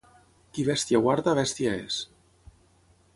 Qui bèstia guarda, bèstia és.